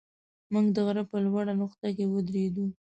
موږ د غره په لوړه نقطه کې ودرېدو.